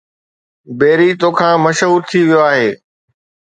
بيري تو کان مشهور ٿي ويو آهي